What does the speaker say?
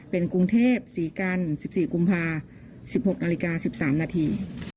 เป็นกรุงเทพฯศรีกรรมสิบสี่กรุงภาคมสิบหกนาฬิกาสิบสามนาที